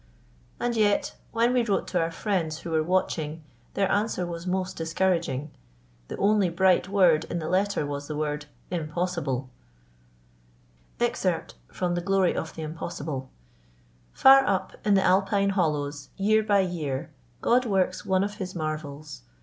And yet, when we wrote to our friends who were watching, their answer was most discouraging. The only bright word in the letter was the word "Impossible." "Far up in the Alpine hollows, year by year, God works one of His marvels.